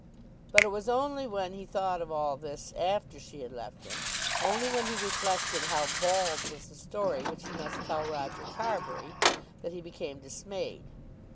But it was only when he thought of all this after she had left him, only when he reflected how bald was the story which he must tell Roger Carbury, that he became dismayed.